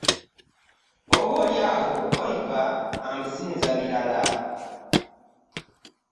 Oboolyawo Olive amusinza birala.